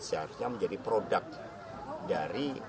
seharusnya menjadi produk dari